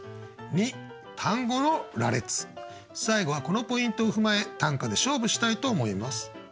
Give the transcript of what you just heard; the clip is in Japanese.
最後はこのポイントを踏まえ短歌で勝負したいと思います。